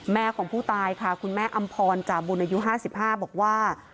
แม่ของผู้ตายค่ะคุณแม่อำพรจาบุญอายุ๕๕บอกว่า